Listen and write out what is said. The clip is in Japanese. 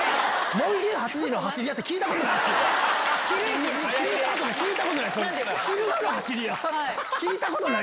門限８時の走り屋って聞いたことない。